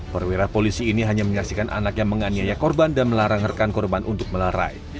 perwira polisi ini hanya menyaksikan anaknya menganiaya korban dan melarang rekan korban untuk melerai